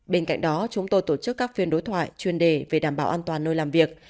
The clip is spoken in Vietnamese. bên cạnh đó chúng tôi tổ chức các phiên đối thoại chuyên đề về đảm bảo an toàn nơi làm việc